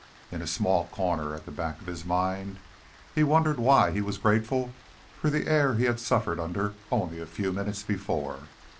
In a small corner at the back of his mind, he wondered why he was grateful for the air he had suffered under only a few minutes before.